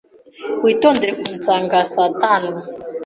Witondere kunsanga saa tanu.